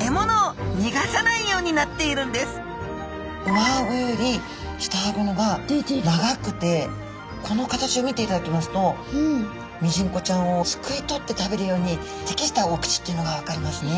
獲物をにがさないようになっているんです上あごより下あごの方が長くてこの形を見ていただきますとミジンコちゃんをすくい取って食べるように適したお口っていうのが分かりますね。